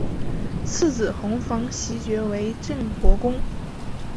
次子弘昉袭爵为镇国公。